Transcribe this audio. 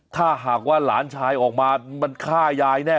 ถ้าหากว่าหลานชายออกมาทำแบบนั้นมันฆ่ายายแน่